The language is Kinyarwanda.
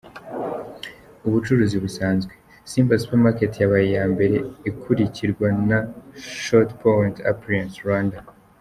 Ubucuruzi busanzwe :Simba Supermarket yabaye iya mbere, ikurikirwa na Shot Point Appliances Rwanda.